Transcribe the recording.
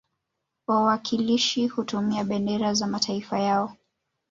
Wawakilishi hutumia bendera za mataifa yao